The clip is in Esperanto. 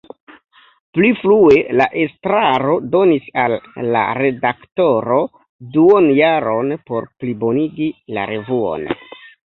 Pli frue la estraro donis al la redaktoro duonjaron por plibonigi la revuon.